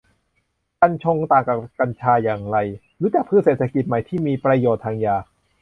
กัญชง ต่างกับกัญชาอย่างไร รู้จักพืชเศรษฐกิจใหม่ที่มีประโยชน์ทางยา